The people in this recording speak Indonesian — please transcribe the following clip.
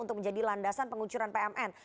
untuk menjadi landasan pengucuran pmn